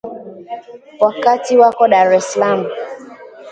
Wakati wako Dar es salaam